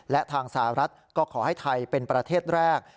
และทางสหรัฐก็ขอให้ไทยเป็นประเทศแรก